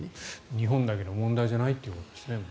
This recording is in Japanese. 日本だけの問題じゃないということですね。